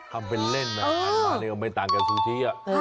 ทำเป็นเล่นนะหันมาเนี่ยก็ไม่ต่างกันซูชิ